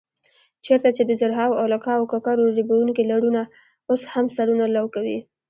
چېرته چې د زرهاو او لکهاوو ککرو ریبونکي لرونه اوس هم سرونه لو کوي.